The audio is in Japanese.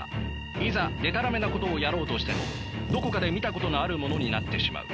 いざでたらめなことをやろうとしてもどこかで見たことのあるものになってしまう。